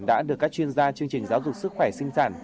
đã được các chuyên gia chương trình giáo dục sức khỏe sinh sản